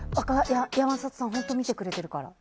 山里さん本当見てくれてるから。